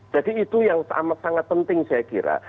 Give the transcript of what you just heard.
jadi itu yang sangat penting saya kira